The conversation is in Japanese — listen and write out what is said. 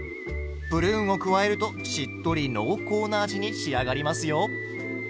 プルーンを加えるとしっとり濃厚な味に仕上がりますよ。